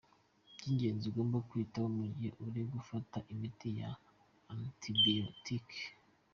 Iby’ingenzi ugomba kwitaho mu gihe uri gufata imiti ya antibiyotike.